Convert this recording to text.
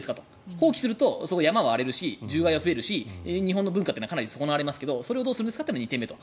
放棄すると、山は荒れるし獣害は増えるし日本の文化は損なわれますがそれをどうするかというのが２点目と。